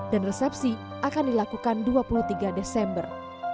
resepsi akan dilakukan dua puluh tiga desember